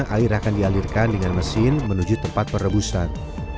air akan dialirkan dengan mesin menuju tempat perebusan